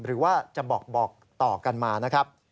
หรือว่าจะบอกต่อกันมานะครับ